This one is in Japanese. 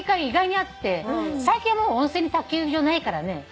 意外にあって最近はもう温泉に卓球場ないからね